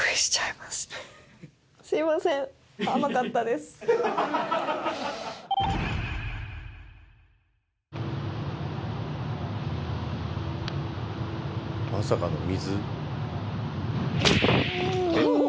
まさかの水？